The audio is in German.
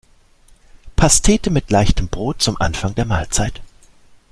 Pastete mit leichtem Brot zum Anfang der Mahlzeit.